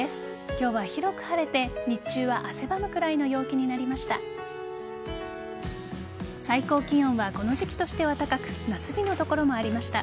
今日は広く晴れて日中は汗ばむくらいの陽気になりました。